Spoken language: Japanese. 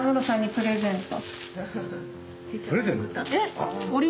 プレゼント？